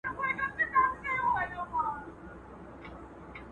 زه کتابونه وړلي دي،